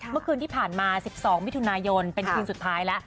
เมื่อคืนที่ผ่านมา๑๒มิถุนายนเป็นคืนสุดท้ายแล้ว